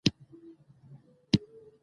خو کۀ انسان پۀ خپل سوچ